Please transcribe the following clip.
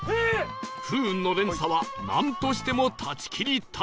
不運の連鎖はなんとしても断ち切りたい